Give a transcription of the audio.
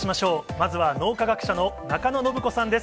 まずは脳科学者の中野信子さんです。